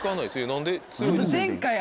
何で？